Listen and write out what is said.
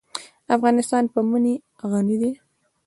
افغانستان په منی غني دی.